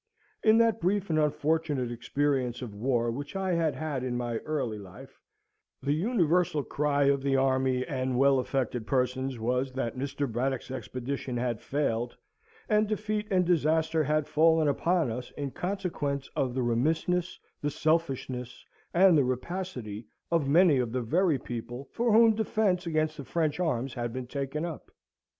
In that brief and unfortunate experience of war which I had had in my early life, the universal cry of the army and well affected persons was, that Mr. Braddock's expedition had failed, and defeat and disaster had fallen upon us in consequence of the remissness, the selfishness, and the rapacity of many of the very people for whose defence against the French arms had been taken up.